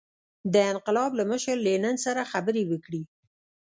د انقلاب له مشر لینین سره خبرې وکړي.